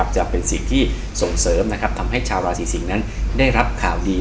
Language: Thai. จะเป็นสิ่งที่ส่งเสริมนะครับทำให้ชาวราศีสิงศ์นั้นได้รับข่าวดี